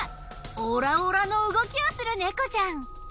オラオラの動きをする猫ちゃん。